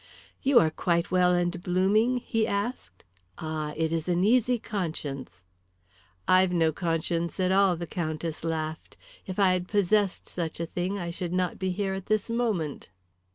"You are quite well and blooming?" he asked. "Ah, it is an easy conscience." "I've no conscience at all," the Countess laughed. "If I had possessed such a thing I should not be here at this moment."